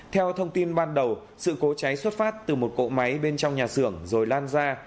theo thông tin ban đầu sự cố cháy xuất phát từ một cỗ máy bên trong nhà xưởng rồi lan ra